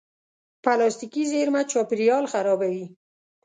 پلاستيکي زېرمه چاپېریال خرابوي.